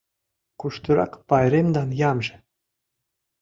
Куштырак пайремдан ямже?